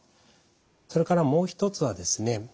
それからもう一つはですね